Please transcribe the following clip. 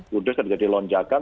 kudus terjadi lonjakan